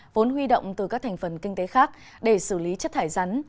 vốn huy động từ các thành phần kinh tế khác để xử lý chất thải rắn